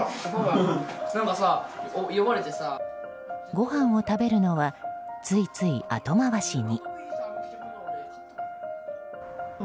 ごはんを食べるのはついつい後回しに。